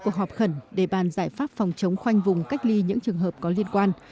cuộc họp khẩn để bàn giải pháp phòng chống khoanh vùng cách ly những trường hợp có liên quan